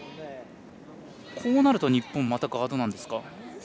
こうなると日本またガードなんですか。